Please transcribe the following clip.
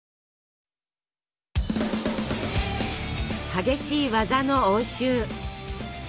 激しい技の応酬。